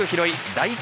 第１